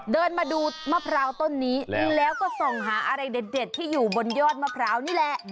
เดินมาดูมะพร้าวต้นนี้แล้วก็ส่องหาอะไรเด็ดที่อยู่บนยอดมะพร้าวนี่แหละ